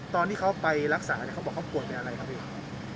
ตอนที่เขาไปรักษาเขาบอกเขาป่วยเป็นอะไรครับพี่